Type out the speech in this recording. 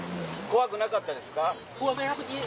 怖くなかったですか？